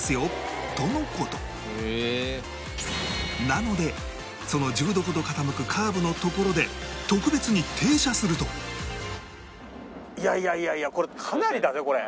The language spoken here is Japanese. なのでその１０度ほど傾くカーブの所で特別に停車するといやいやいやいやこれかなりだねこれ。